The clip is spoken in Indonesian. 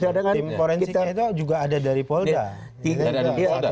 tim forensiknya itu juga ada dari polda